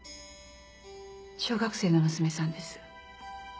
小学生の娘さんです。